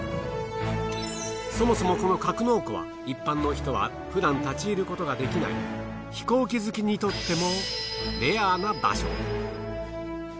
そもそもこの格納庫は一般の人はふだん立ち入ることができない飛行機好きにとってもレアな場所。